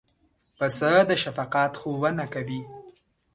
پسه د شفقت ښوونه کوي.